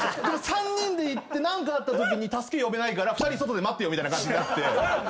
３人で行って何かあったときに助け呼べないから２人外で待ってようみたいになって。